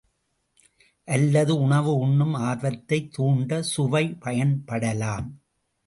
அல்லது உணவு உண்ணும் ஆர்வத்தைத் துாண்ட சுவை பயன்படலாம்.